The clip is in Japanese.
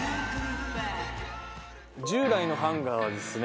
従来のハンガーはですね